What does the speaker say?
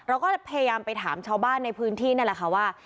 เราก็พยายามไปถามชาวบ้านในพื้นที่นั่นแหละค่ะว่า